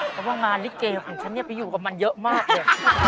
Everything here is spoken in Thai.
เพราะว่างานลิเกของฉันไปอยู่กับมันเยอะมากเลย